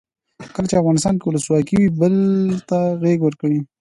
کله چې افغانستان کې ولسواکي وي یو بل ته غیږ ورکوو.